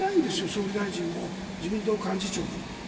総理も自民党幹事長も。